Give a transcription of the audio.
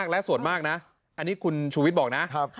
และส่วนมากนะอันนี้คุณชูวิทย์บอกนะ